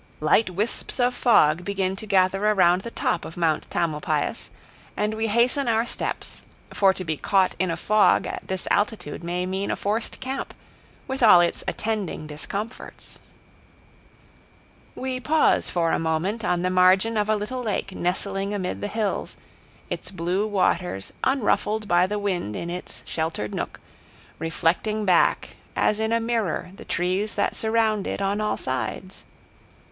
Light wisps of fog begin to gather around the top of Mount Tamalpais, and we hasten our steps, for to be caught in a fog at this altitude may mean a forced camp, with all its attending discomforts. [Illustration: MOUNTAIN AND VALLEY] We pause for a moment on the margin of a little lake nestling amid the hills, its blue waters, unruffled by the wind in its sheltered nook, reflecting back as in a mirror the trees that surround it on all sides.